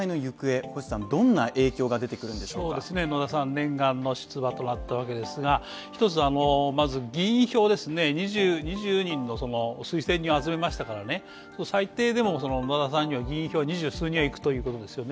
念願の出馬となったわけですが、１つ議員票、２０人の推薦人を集めましたから最低でも、野田さんには議員票二十数人にはいくということですよね。